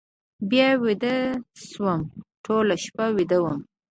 بیا ویده شوم، ټوله شپه ویده وم.